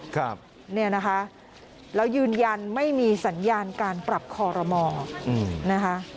ครับเนี่ยนะคะแล้วยืนยันไม่มีสัญญาณการปรับคอรมอนะคะ